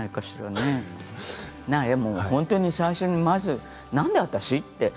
でも本当にまずなんで私って？